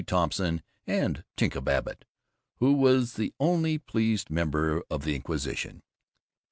Thompson, and Tinka Babbitt, who was the only pleased member of the inquisition.